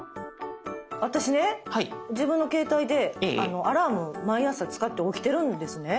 私ね自分の携帯でアラーム毎朝使って起きてるんですね。